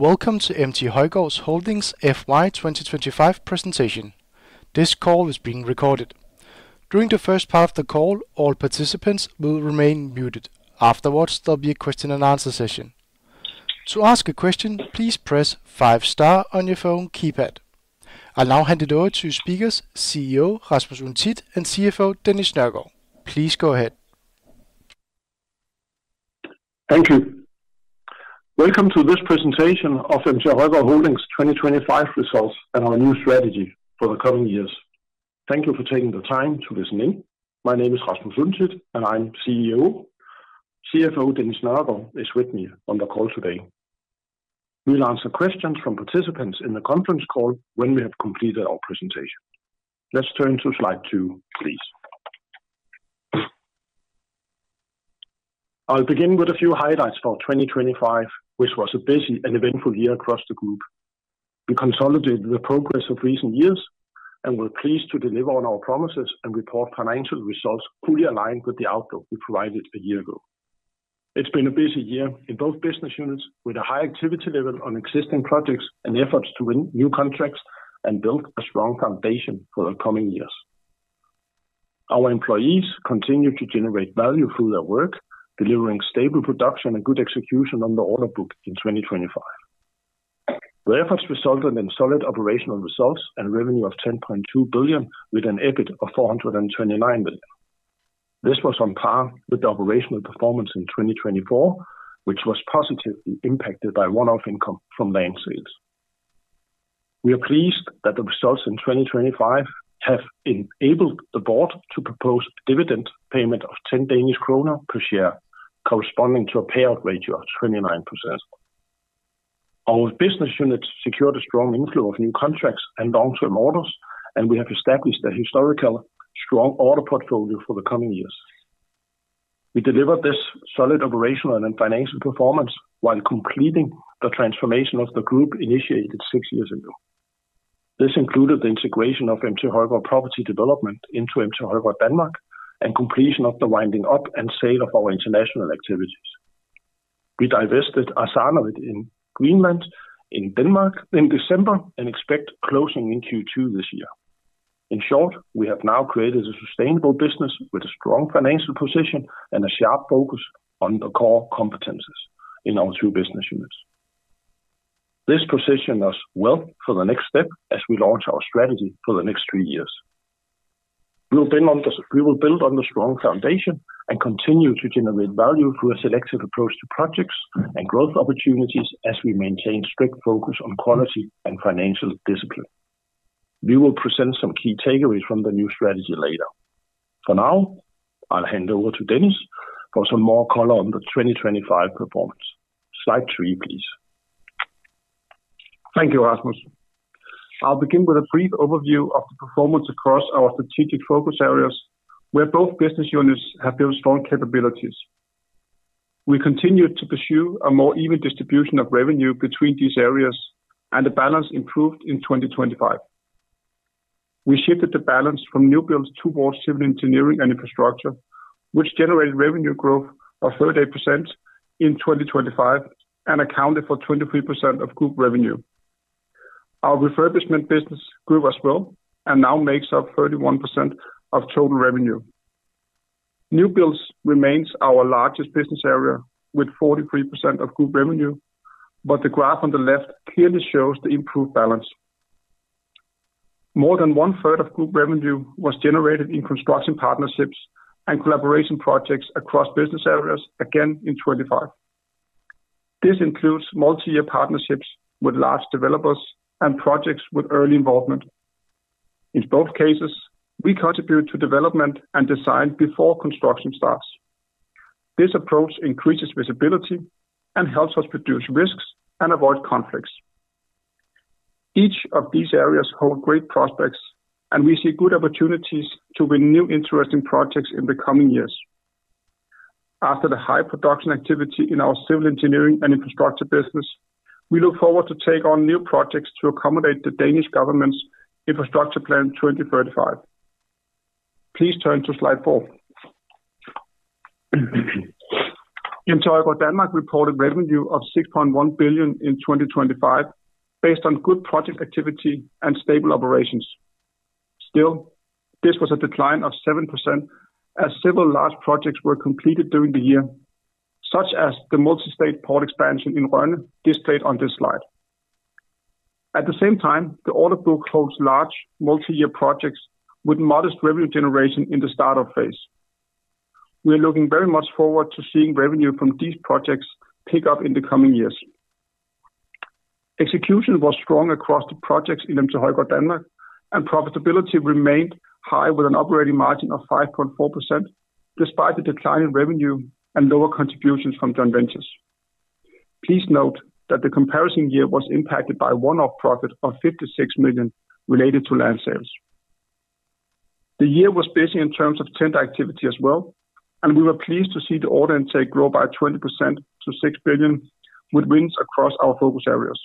Welcome to MT Højgaard Holding's FY 2025 presentation. This call is being recorded. During the first part of the call, all participants will remain muted. Afterwards, there'll be a question and answer session. To ask a question, please press five star on your phone keypad. I now hand it over to speakers, CEO Rasmus Untidt, and CFO Dennis Nørgaard. Please go ahead. Thank you. Welcome to this presentation of MT Højgaard Holding's 2025 results and our new strategy for the coming years. Thank you for taking the time to listen in. My name is Rasmus Untidt, and I'm CEO. CFO Dennis Nørgaard is with me on the call today. We'll answer questions from participants in the conference call when we have completed our presentation. Let's turn to slide 2, please. I'll begin with a few highlights for 2025, which was a busy and eventful year across the group. We consolidated the progress of recent years, and we're pleased to deliver on our promises and report financial results fully aligned with the outlook we provided a year ago. It's been a busy year in both business units, with a high activity level on existing projects and efforts to win new contracts and build a strong foundation for the coming years. Our employees continue to generate value through their work, delivering stable production and good execution on the order book in 2025. The efforts resulted in solid operational results and revenue of 10.2 billion, with an EBIT of 429 million. This was on par with the operational performance in 2024, which was positively impacted by one-off income from land sales. We are pleased that the results in 2025 have enabled the board to propose a dividend payment of 10 Danish kroner per share, corresponding to a payout ratio of 29%. Our business units secured a strong inflow of new contracts and long-term orders, and we have established a historical strong order portfolio for the coming years. We delivered this solid operational and financial performance while completing the transformation of the group initiated six years ago. This included the integration of MT Højgaard Property Development into MT Højgaard Danmark, and completion of the winding up and sale of our international activities. We divested our share of it in Greenland in December, and expect closing in Q2 this year. In short, we have now created a sustainable business with a strong financial position and a sharp focus on the core competencies in our two business units. This positions us well for the next step as we launch our strategy for the next three years. We will build on the, we will build on the strong foundation and continue to generate value through a selective approach to projects and growth opportunities as we maintain strict focus on quality and financial discipline. We will present some key takeaways from the new strategy later. For now, I'll hand over to Dennis for some more color on the 2025 performance. Slide 3, please. Thank you, Rasmus. I'll begin with a brief overview of the performance across our strategic focus areas, where both business units have built strong capabilities. We continued to pursue a more even distribution of revenue between these areas, and the balance improved in 2025. We shifted the balance from new builds towards civil engineering and infrastructure, which generated revenue growth of 38% in 2025 and accounted for 23% of group revenue. Our refurbishment business grew as well and now makes up 31% of total revenue. New builds remains our largest business area, with 43% of group revenue, but the graph on the left clearly shows the improved balance. More than one-third of group revenue was generated in construction partnerships and collaboration projects across business areas again in 2025. This includes multi-year partnerships with large developers and projects with early involvement. In both cases, we contribute to development and design before construction starts. This approach increases visibility and helps us reduce risks and avoid conflicts. Each of these areas hold great prospects, and we see good opportunities to win new interesting projects in the coming years. After the high production activity in our civil engineering and infrastructure business, we look forward to take on new projects to accommodate the Danish government's Infrastructure Plan 2035. Please turn to slide 4. MT Højgaard Danmark reported revenue of 6.1 billion in 2025, based on good project activity and stable operations. Still, this was a decline of 7%, as several large projects were completed during the year, such as the multi-stage port expansion in Rønne, displayed on this slide. At the same time, the order book holds large multi-year projects with modest revenue generation in the startup phase. We are looking very much forward to seeing revenue from these projects pick up in the coming years. Execution was strong across the projects in MT Højgaard Danmark, and profitability remained high, with an operating margin of 5.4%, despite the decline in revenue and lower contributions from joint ventures. Please note that the comparison year was impacted by one-off profit of 56 million related to land sales. The year was busy in terms of tender activity as well, and we were pleased to see the order intake grow by 20% to 6 billion, with wins across our focus areas.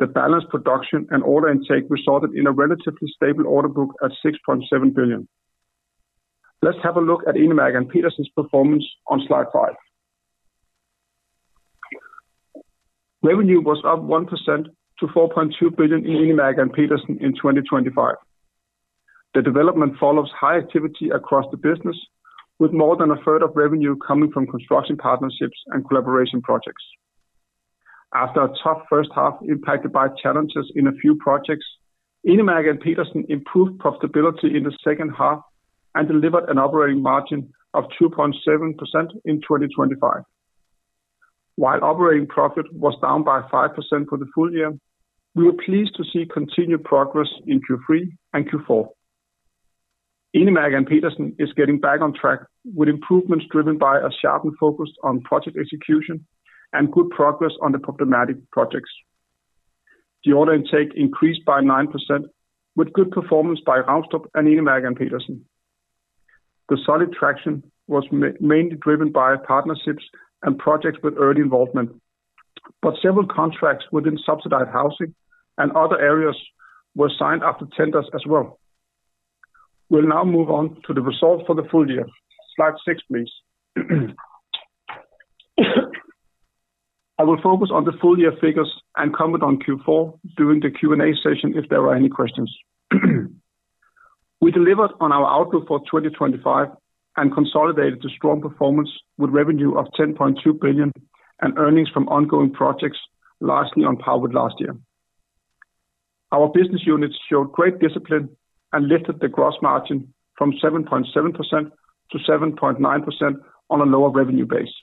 The balanced production and order intake resulted in a relatively stable order book at 6.7 billion.... Let's have a look at Enemærke & Petersen's performance on slide five. Revenue was up 1% to 4.2 billion in Enemærke & Petersen in 2025. The development follows high activity across the business, with more than a third of revenue coming from construction partnerships and collaboration projects. After a tough first half impacted by challenges in a few projects, Enemærke & Petersen improved profitability in the second half and delivered an operating margin of 2.7% in 2025. While operating profit was down by 5% for the full year, we were pleased to see continued progress in Q3 and Q4. Enemærke & Petersen is getting back on track, with improvements driven by a sharpened focus on project execution and good progress on the problematic projects. The order intake increased by 9%, with good performance by Raunstrup and Enemærke & Petersen. The solid traction was mainly driven by partnerships and projects with early involvement, but several contracts within subsidized housing and other areas were signed after tenders as well. We'll now move on to the results for the full year. Slide 6, please. I will focus on the full year figures and comment on Q4 during the Q&A session if there are any questions. We delivered on our outlook for 2025 and consolidated a strong performance with revenue of 10.2 billion and earnings from ongoing projects, largely on par with last year. Our business units showed great discipline and lifted the gross margin from 7.7 to 7.9% on a lower revenue base.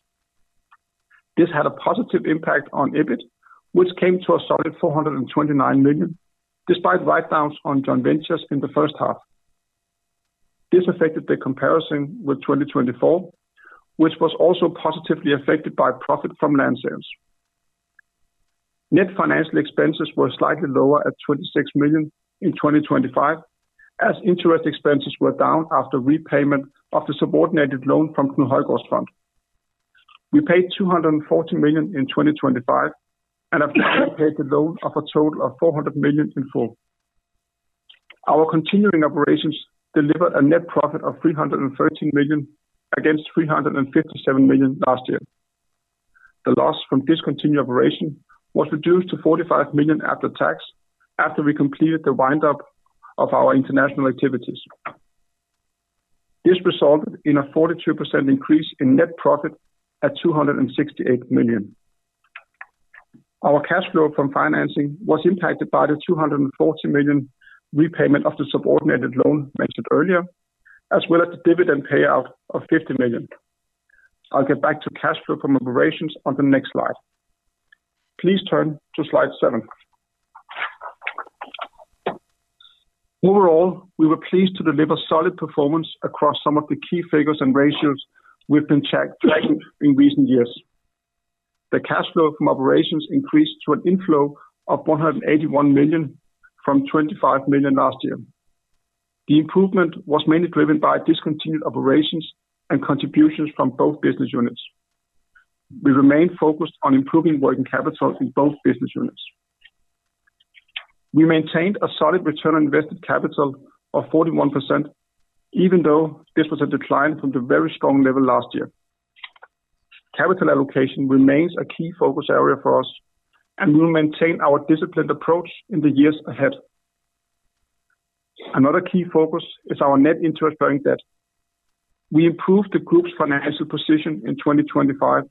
This had a positive impact on EBIT, which came to a solid 429 million, despite write-downs on joint ventures in the first half. This affected the comparison with 2024, which was also positively affected by profit from land sales. Net financial expenses were slightly lower at 26 million in 2025, as interest expenses were down after repayment of the subordinated loan from Knud Højgaards Fond. We paid 240 million in 2025, and have since paid the loan of a total of 400 million in full. Our continuing operations delivered a net profit of 313 million, against 357 million last year. The loss from discontinued operation was reduced to 45 million after tax, after we completed the wind up of our international activities. This resulted in a 42% increase in net profit at 268 million. Our cash flow from financing was impacted by the 240 million repayment of the subordinated loan mentioned earlier, as well as the dividend payout of 50 million. I'll get back to cash flow from operations on the next slide. Please turn to slide seven. Overall, we were pleased to deliver solid performance across some of the key figures and ratios we've been tracking in recent years. The cash flow from operations increased to an inflow of 181 million, from 25 million last year. The improvement was mainly driven by discontinued operations and contributions from both business units. We remain focused on improving working capital in both business units. We maintained a solid return on invested capital of 41%, even though this was a decline from the very strong level last year. Capital allocation remains a key focus area for us, and we'll maintain our disciplined approach in the years ahead. Another key focus is our net interest-bearing debt. We improved the group's financial position in 2025,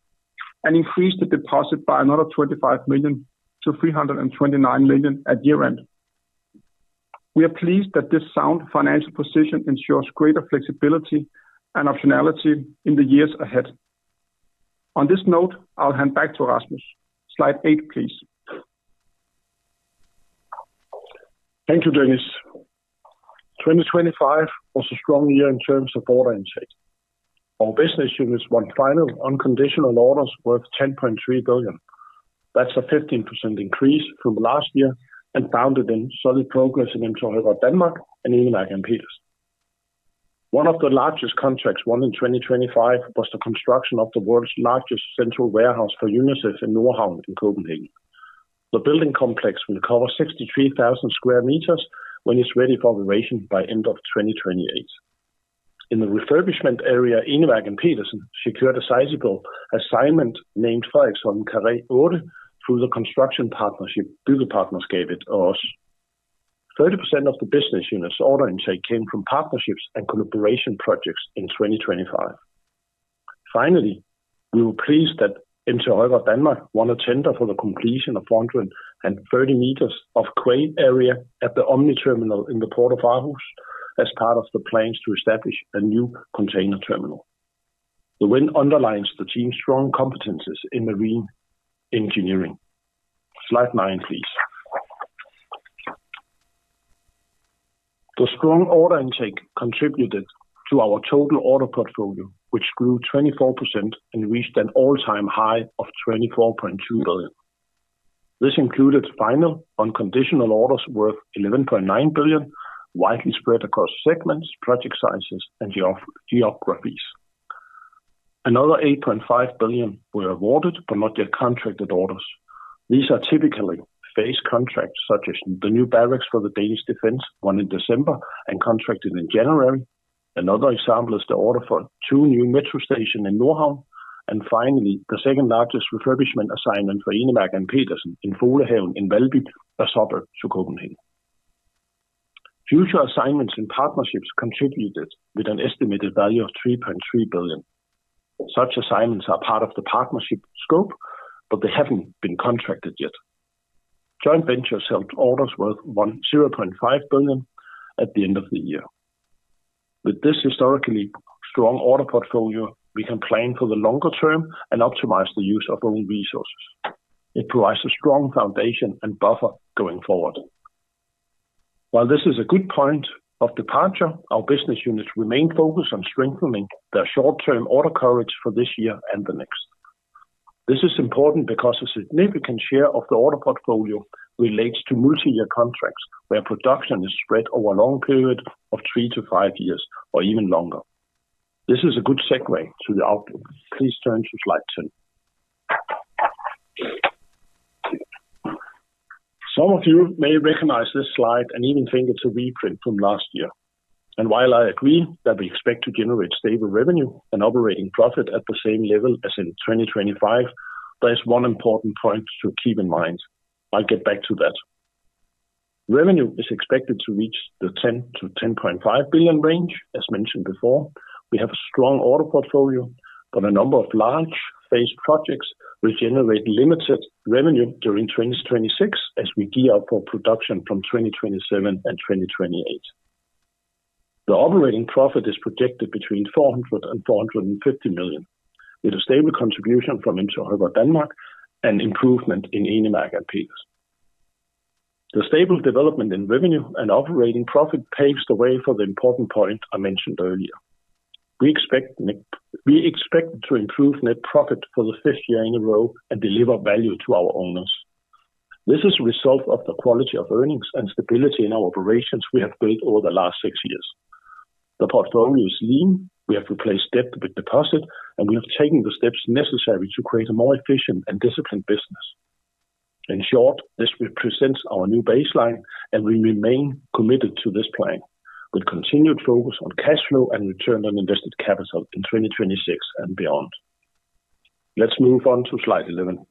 and increased the deposit by another 25 million to 329 million at year-end. We are pleased that this sound financial position ensures greater flexibility and optionality in the years ahead. On this note, I'll hand back to Rasmus. Slide 8, please. Thank you, Dennis. 2025 was a strong year in terms of order intake. Our business units won final unconditional orders worth 10.3 billion. That's a 15% increase from last year and fueled by solid progress in MT Højgaard Danmark and Enemærke & Petersen. One of the largest contracts won in 2025 was the construction of the world's largest central warehouse for UNICEF in Nordhavn in Copenhagen. The building complex will cover 63,000 square meters when it's ready for operation by end of 2028. In the refurbishment area, Enemærke & Petersen secured a sizable assignment named Frichs Karré, through the construction partnership, Byggepartnerskabet &os. 30% of the business units order intake came from partnerships and collaboration projects in 2025. Finally, we were pleased that MT Højgaard Danmark won a tender for the completion of 430 meters of crane area at the Omni Terminal in the Port of Aarhus as part of the plans to establish a new container terminal. The win underlines the team's strong competencies in marine engineering. Slide nine, please. The strong order intake contributed to our total order portfolio, which grew 24% and reached an all-time high of 24.2 billion. This included final unconditional orders worth 11.9 billion, widely spread across segments, project sizes, and geographies. Another 8.5 billion were awarded, but not yet contracted orders. These are typically phase contracts, such as the new barracks for the Danish Defence, won in December and contracted in January. Another example is the order for two new metro stations in Nordhavn, and finally, the second largest refurbishment assignment for Enemærke & Petersen in Folehaven in Valby, a suburb to Copenhagen. Future assignments and partnerships contributed with an estimated value of 3.3 billion. Such assignments are part of the partnership scope, but they haven't been contracted yet. Joint ventures held orders worth 1.05 billion at the end of the year. With this historically strong order portfolio, we can plan for the longer term and optimize the use of our resources. It provides a strong foundation and buffer going forward. While this is a good point of departure, our business units remain focused on strengthening their short-term order coverage for this year and the next. This is important because a significant share of the order portfolio relates to multi-year contracts, where production is spread over a long period of three to five years or even longer. This is a good segue to the outlook. Please turn to slide 10. Some of you may recognize this slide and even think it's a reprint from last year. While I agree that we expect to generate stable revenue and operating profit at the same level as in 2025, there is one important point to keep in mind. I'll get back to that. Revenue is expected to reach the 10 billion-10.5 billion range, as mentioned before. We have a strong order portfolio, but a number of large phase projects will generate limited revenue during 2026, as we gear up for production from 2027 and 2028. The operating profit is projected between 400 million and 450 million, with a stable contribution from MT Højgaard Danmark and improvement in Enemærke & Petersen. The stable development in revenue and operating profit paves the way for the important point I mentioned earlier. We expect to improve net profit for the fifth year in a row and deliver value to our owners. This is a result of the quality of earnings and stability in our operations we have built over the last 6 years. The portfolio is lean, we have replaced debt with deposit, and we have taken the steps necessary to create a more efficient and disciplined business. In short, this represents our new baseline, and we remain committed to this plan, with continued focus on cash flow and return on invested capital in 2026 and beyond. Let's move on to slide 11.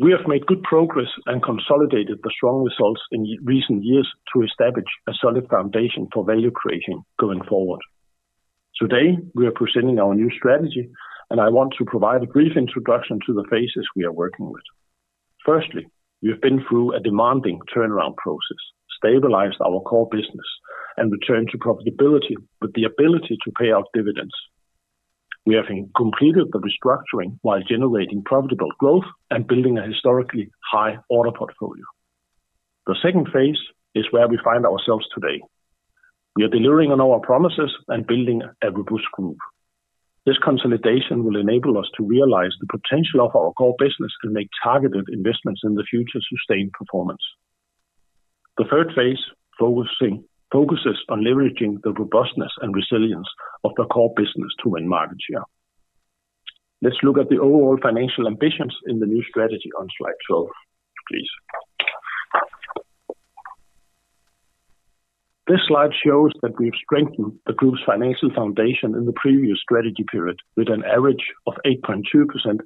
We have made good progress and consolidated the strong results in recent years to establish a solid foundation for value creation going forward. Today, we are presenting our new strategy, and I want to provide a brief introduction to the phases we are working with. Firstly, we have been through a demanding turnaround process, stabilized our core business, and returned to profitability, with the ability to pay out dividends. We have completed the restructuring while generating profitable growth and building a historically high order portfolio. The second phase is where we find ourselves today. We are delivering on our promises and building a robust group. This consolidation will enable us to realize the potential of our core business and make targeted investments in the future sustained performance. The third phase focuses on leveraging the robustness and resilience of the core business to win market share. Let's look at the overall financial ambitions in the new strategy on slide 12, please. This slide shows that we've strengthened the group's financial foundation in the previous strategy period with an average of 8.2%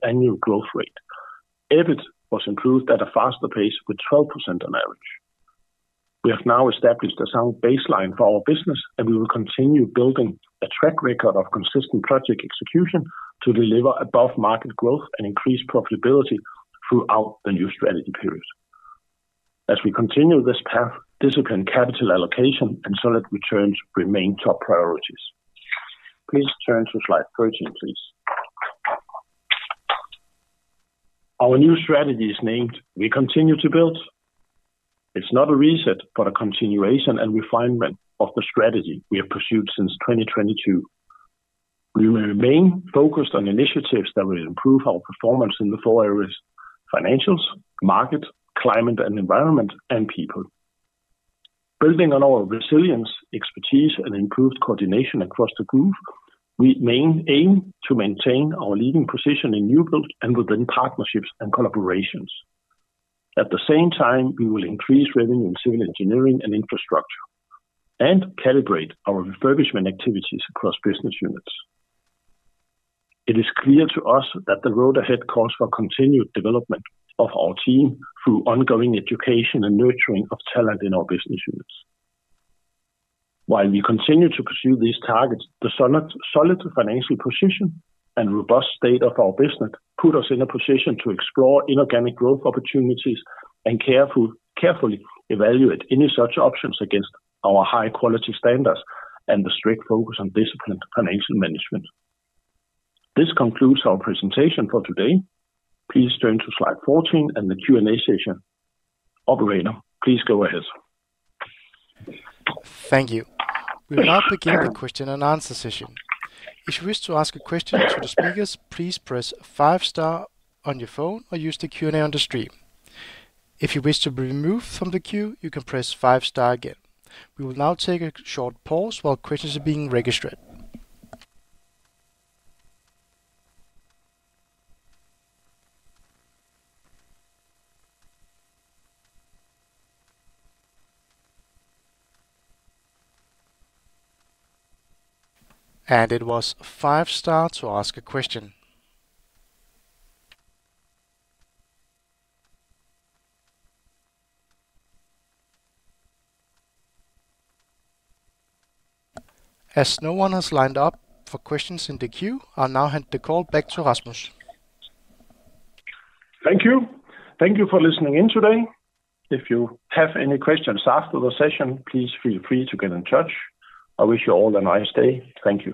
annual growth rate. EBIT was improved at a faster pace, with 12% on average. We have now established a sound baseline for our business, and we will continue building a track record of consistent project execution to deliver above-market growth and increase profitability throughout the new strategy period. As we continue this path, disciplined capital allocation and solid returns remain top priorities. Please turn to slide 13, please. Our new strategy is named We Continue to Build. It's not a reset, but a continuation and refinement of the strategy we have pursued since 2022. We will remain focused on initiatives that will improve our performance in the four areas: financials, market, climate and environment, and people. Building on our resilience, expertise, and improved coordination across the group, we aim to maintain our leading position in new build and within partnerships and collaborations. At the same time, we will increase revenue in civil engineering and infrastructure and calibrate our refurbishment activities across business units. It is clear to us that the road ahead calls for continued development of our team through ongoing education and nurturing of talent in our business units. While we continue to pursue these targets, the solid financial position and robust state of our business put us in a position to explore inorganic growth opportunities and carefully evaluate any such options against our high-quality standards and the strict focus on disciplined financial management. This concludes our presentation for today. Please turn to slide 14 and the Q&A session. Operator, please go ahead. Thank you. We will now begin the question and answer session. If you wish to ask a question to the speakers, please press five star on your phone or use the Q&A on the stream. If you wish to be removed from the queue, you can press five star again. We will now take a short pause while questions are being registered. And it was five star to ask a question. As no one has lined up for questions in the queue, I'll now hand the call back to Rasmus. Thank you. Thank you for listening in today. If you have any questions after the session, please feel free to get in touch. I wish you all a nice day. Thank you.